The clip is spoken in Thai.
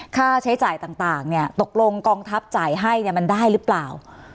ค่าใช้จ่ายต่างเนี่ยตกลงกองทัพจ่ายให้เนี่ยมันได้หรือเปล่า